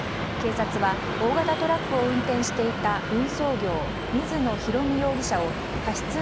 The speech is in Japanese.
警察は大型トラックを運転していた運送業、水野広臣容疑者を過失